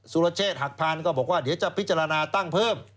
รเชษฐหักพานก็บอกว่าเดี๋ยวจะพิจารณาตั้งเพิ่ม